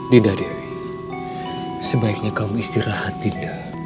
dinda dewi sebaiknya kamu istirahat dinda